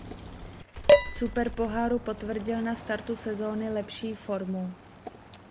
Superpoháru potvrdil na startu sezony lepší formu.